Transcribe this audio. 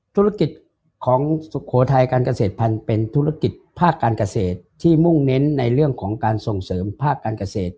ธุรกิจของสุโขทัยการเกษตรพันธุ์เป็นธุรกิจภาคการเกษตรที่มุ่งเน้นในเรื่องของการส่งเสริมภาคการเกษตร